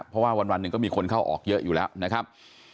เพราะว่าวันหนึ่งก็มีคนเข้าออกเยอะอยู่แล้วนะครับ